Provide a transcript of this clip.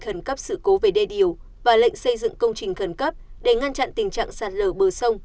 khẩn cấp sự cố về đê điều và lệnh xây dựng công trình khẩn cấp để ngăn chặn tình trạng sạt lở bờ sông